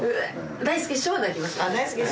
大助師匠は泣きますよ。